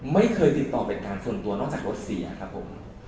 ไม่เคยติดต่อเป็นการส่วนตัวนอกจากรถเสียครับผม